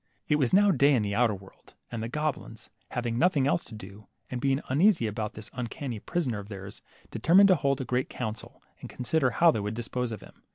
It was now day in the outer world, and the goblins, hav ing nothing else to do, and being uneasy about this uncanny prisoner of theirs, determined to hold a great council, and consider how they would dispose of him.